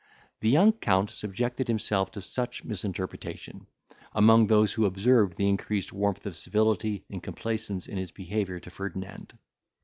The young Count subjected himself to such misinterpretation, among those who observed the increased warmth of civility and complaisance in his behaviour to Ferdinand.